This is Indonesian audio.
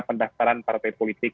pendaftaran partai politik